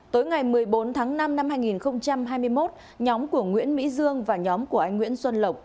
tối ngày một mươi bốn tháng năm năm hai nghìn hai mươi một nhóm của nguyễn mỹ dương và nhóm của anh nguyễn xuân lộc